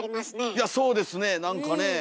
いやそうですね何かねえ。